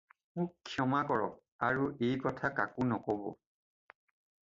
মোক ক্ষমা কৰক আৰু এই কথা কাকো নক'ব।